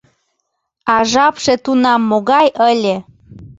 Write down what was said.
А жапше тунам могай ыле?